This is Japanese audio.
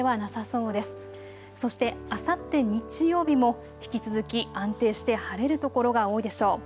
そして、あさって日曜日も引き続き安定して晴れる所が多いでしょう。